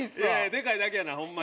でかいだけやなホンマに。